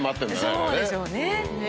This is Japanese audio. そうでしょうね。